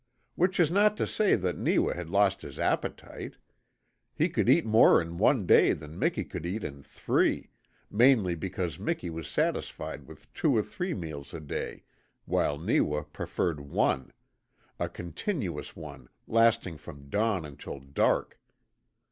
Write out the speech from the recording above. Which is not to say that Neewa had lost his appetite. He could eat more in one day than Miki could eat in three, mainly because Miki was satisfied with two or three meals a day while Neewa preferred one a continuous one lasting from dawn until dark.